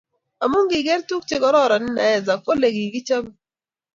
amu kigeer tuguk chegororon inaeza kole kikichapee